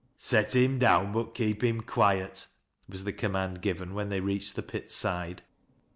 " Set him down, but keep him quiet," was the command given when they reached the pit's side.